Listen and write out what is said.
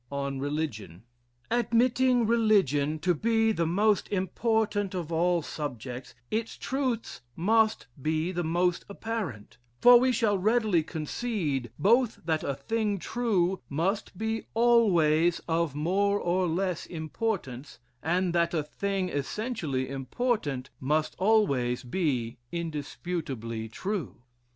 on "Religion:" "Admitting religion to be the most important of all subjects, its truths must be the most apparent; for we shall readily concede, both that a thing true, must be always of more or less importance and that a thing essentially important, must always be indisputably true.